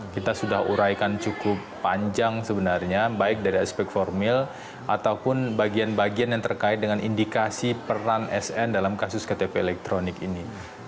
kita sudah uraikan cukup panjang sebenarnya baik dari aspek formil ataupun bagian bagian yang terkait dengan indikasi peran sn dalam kasus ktp elektronik ini